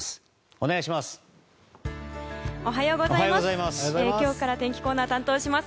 お願いします。